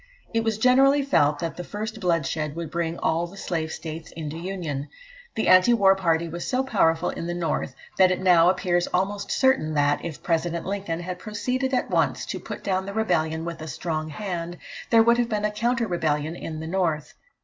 It was generally felt that the first blood shed would bring all the Slave States into union. The anti war party was so powerful in the North, that it now appears almost certain that, if President Lincoln had proceeded at once to put down the rebellion with a strong hand, there would have been a counter rebellion in the North.